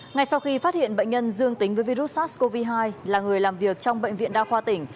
ngay sau khi phát hiện bệnh nhân dương tính với virus sars cov hai là người làm việc trong bệnh viện đa khoa tỉnh